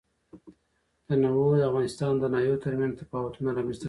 تنوع د افغانستان د ناحیو ترمنځ تفاوتونه رامنځ ته کوي.